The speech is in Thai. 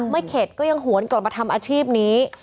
เข็ดก็ยังหวนกลับมาทำอาชีพนี้